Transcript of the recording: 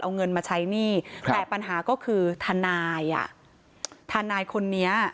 เอาเงินมาใช้หนี้แต่ปัญหาก็คือทนายอ่ะทนายคนนี้